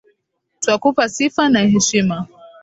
Twakupa sifa na heshima .